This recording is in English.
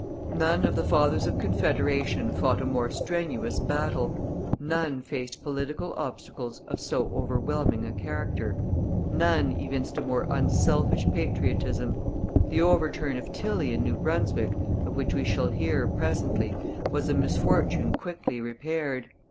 None of the Fathers of Confederation fought a more strenuous battle. None faced political obstacles of so overwhelming a character. None evinced a more unselfish patriotism. The overturn of Tilley in New Brunswick, of which we shall hear presently, was a misfortune quickly repaired.